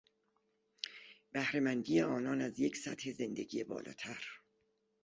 بهره مندی آنان از یک سطح زندگی بالاتر